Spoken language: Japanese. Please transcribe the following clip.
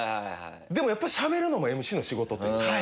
でもやっぱしゃべるのもＭＣの仕事というか。